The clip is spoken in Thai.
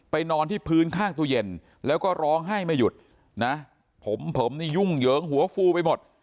นอนที่พื้นข้างตู้เย็นแล้วก็ร้องไห้ไม่หยุดนะผมผมนี่ยุ่งเหยิงหัวฟูไปหมด